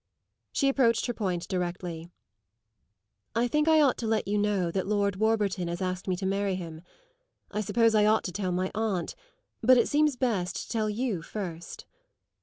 She approached her point directly. "I think I ought to let you know that Lord Warburton has asked me to marry him. I suppose I ought to tell my aunt; but it seems best to tell you first."